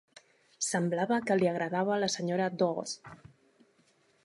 Semblava que li agradava la senyora Dawes.